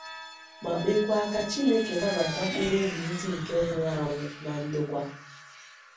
ma kpekwa ka Chineke nabàta mkpụrụobi ndị nke nwụrụ anwụ na ndokwa.